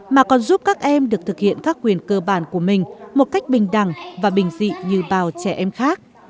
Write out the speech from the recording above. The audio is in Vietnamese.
mà còn giúp các em được thực hiện các quyền cơ bản của mình một cách bình đẳng và bình dị như bào trẻ em khác